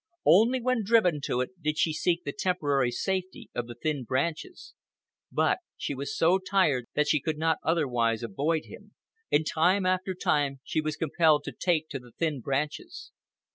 Only when driven to it did she seek the temporary safety of the thin branches. But she was so tired that she could not otherwise avoid him, and time after time she was compelled to take to the thin branches.